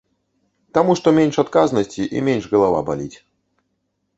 Таму што менш адказнасці і менш галава баліць.